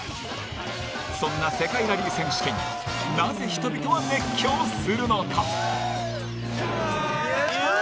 そんな世界ラリー選手権なぜ人々は熱狂するのか。